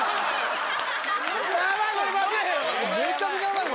めちゃくちゃうまい。